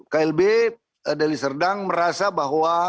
klb deli serdang merasa bahwa